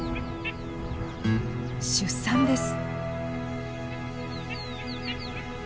出産です。